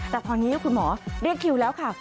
แต่ตอนนี้คุณหมอเรียกคิวแล้วค่ะ